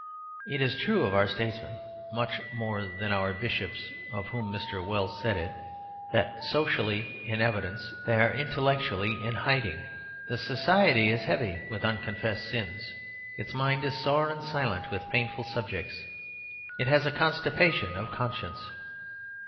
It is true of our statesmen (much more than of our bishops, of whom Mr. Wells said it), that socially in evidence they are intellectually in hiding. The society is heavy with unconfessed sins; its mind is sore and silent with painful subjects; it has a constipation of conscience.